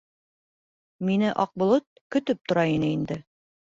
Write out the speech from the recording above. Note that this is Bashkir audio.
Мине Аҡболот көтөп тора ине инде.